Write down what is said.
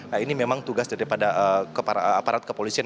nah ini memang tugas daripada aparat kepolisian